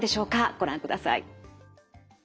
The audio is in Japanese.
ご覧ください。